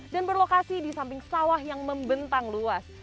dan berlokasi di samping sawah yang membentang luas